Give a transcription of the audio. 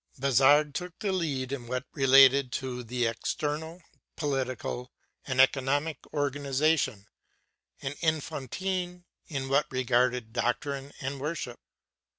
Bazard took the lead in what related to the external, political, and economical organization, and Enfantin in what regarded doctrine and worship.